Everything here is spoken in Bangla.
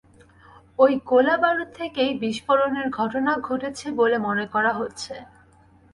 ওই গোলাবারুদ থেকেই বিস্ফোরণের ঘটনা ঘটেছে বলে মনে করা হচ্ছে।